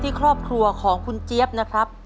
ครอบครัวของคุณเจี๊ยบนะครับ